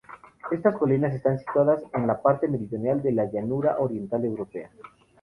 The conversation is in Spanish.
Estas colinas están situadas en la parte meridional de la Llanura Oriental Europea.